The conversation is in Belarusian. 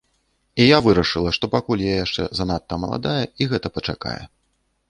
І я вырашыла, што пакуль я яшчэ занадта маладая, і гэта пачакае.